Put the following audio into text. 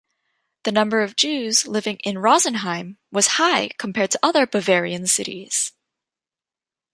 The number of Jews living in Rosenheim was high compared to other Bavarian cities.